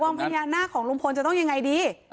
พญานาคของลุงพลจะต้องยังไงดี